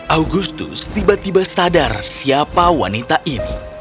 agustus tiba tiba sadar siapa wanita ini